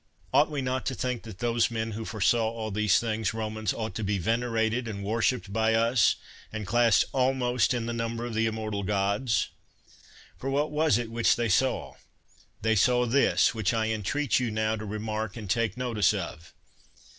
Ought we not to think that those men who foresaw all these things, Romans, ought to be venerated and worshiped by us, and classed almost in the number of the immortal gods ? For what was it which they saw? They saw this, which I entreat you now to remark and take no tice of.